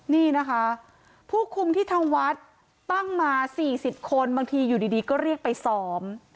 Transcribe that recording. นี่นะคะผู้คุมที่ทางวัดตั้งมา๔๐คนบางทีอยู่ดีก็เรียกไปซ้อม